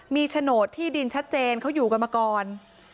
มีโฉนดที่ดินชัดเจนเขาอยู่กันมาก่อน